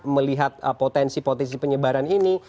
melihat potensi potensi penyebaran ini